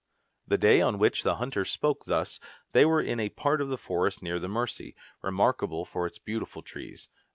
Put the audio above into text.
The day on which the hunters spoke thus, they were in a part of the forest near the Mercy, remarkable for its beautiful trees.